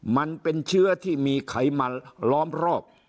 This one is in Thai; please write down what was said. มันเป็นเชื้อที่มีไขมันล้อมรอบ